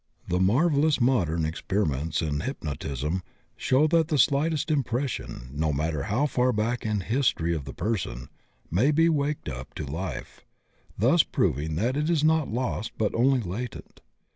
The marvellous modem experiments in hypnotism show that the slightest impression, no matter how far back in the history of the person, may be waked up to life, thus proving it is not lost but only latent.